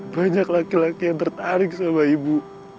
banyak laki laki yang tertarik sama ibu